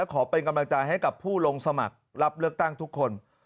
ขอเป็นกำลังใจให้กับผู้ลงสมัครรับเลือกตั้งทุกคน